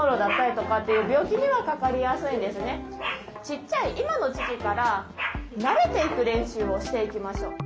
ちっちゃい今の時期から慣れていく練習をしていきましょう。